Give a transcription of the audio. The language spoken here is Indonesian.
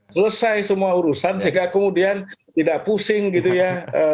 selesai semua urusan sehingga kemudian tidak pusing gitu ya